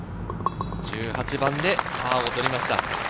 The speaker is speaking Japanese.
１８番でパーを取りました。